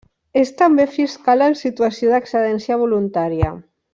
És també fiscal en situació d'excedència voluntària.